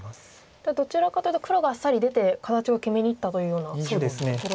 じゃあどちらかというと黒があっさり出て形を決めにいったというようなところ。